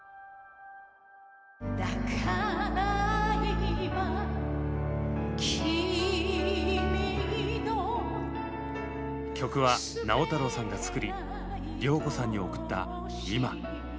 「だから今君の」曲は直太朗さんが作り良子さんに贈った「今」。